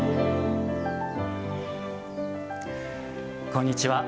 こんにちは。